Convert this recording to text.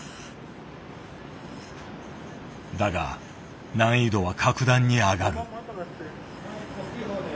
だが難易度は格段に上がる。